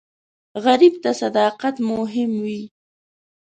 غریب ته صداقت مهم وي